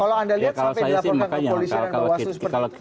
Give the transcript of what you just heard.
kalau anda lihat sampai di laporan kepolisian dan kewasus